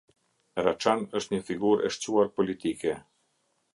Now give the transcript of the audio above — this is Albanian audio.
Raçan është një figurë e shquar politike.